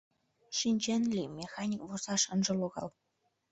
— Шинчен лий, механик: вурсаш ынже логал.